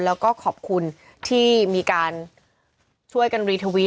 แล้วก็ขอบคุณที่มีการช่วยกันรีทวิต